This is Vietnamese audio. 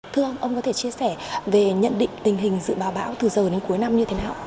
thưa ông ông có thể chia sẻ về nhận định tình hình dự báo bão từ giờ đến cuối năm như thế nào